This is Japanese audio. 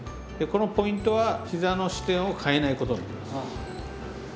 このポイントはひざの支点を変えないことになります。